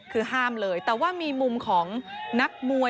คือห้ามเลยแต่ว่ามีมุมของนักมวย